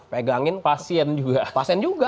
pegangin pasien juga